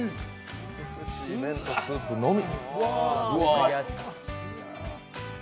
美しい麺とスープのみ。